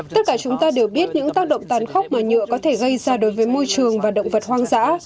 tất cả chúng ta đều biết những tác động tàn khốc mà nhựa có thể gây ra đối với môi trường và động vật hoang dã